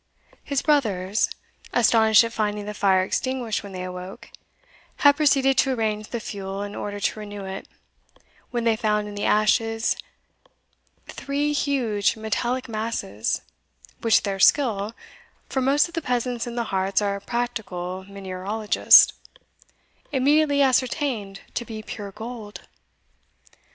His brothers, astonished at finding the fire extinguished when they awoke, had proceeded to arrange the fuel in order to renew it, when they found in the ashes three huge metallic masses, which their skill (for most of the peasants in the Harz are practical mineralogists) immediately ascertained to be pure gold.